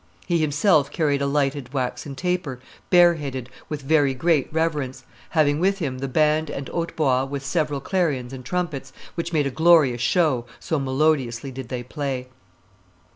He himself carried a lighted waxen taper, bareheaded, with very great reverence, having with him the band and hautbois with several clarions and trumpets, which made a glorious show, so melodiously did they play.